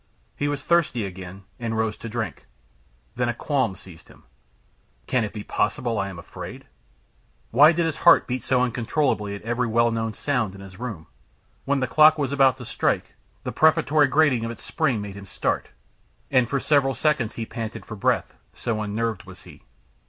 He was thirsty again, and rose to drink. Then a qualm seized him: "Can it be possible that I am afraid?" Why did his heart beat so uncontrollably at every well known sound in his room? When the clock was about to strike, the prefatory grating of its spring made him start, and for several seconds he panted for breath, so unnerved was he.